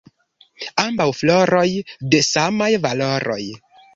Ambaŭ floroj de samaj valoroj.